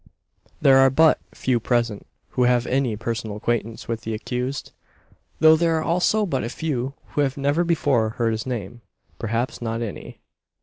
There are but few present who have any personal acquaintance with the accused; though there are also but a few who have never before heard his name. Perhaps not any.